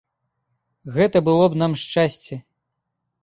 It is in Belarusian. Гэта было б нам шчасце.